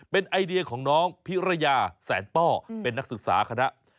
เป็นไอเดียของน้องพิรยาแสนป้อเป็นนักศึกษาคณะ